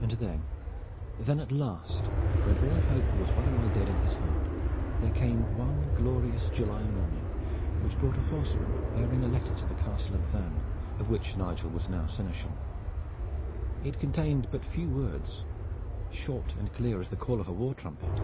And then, then at last, when all hope was well nigh dead in his heart, there came one glorious July morning which brought a horseman bearing a letter to the Castle of Vannes, of which Nigel now was seneschal. It contained but few words, short and clear as the call of a war trumpet.